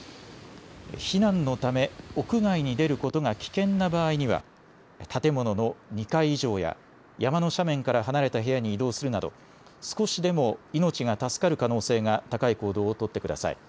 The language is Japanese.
避難のため屋外に出ることが危険な場合には建物の２階以上や山の斜面から離れた部屋に移動するなど少しでも命が助かる可能性が高い行動を取ってください。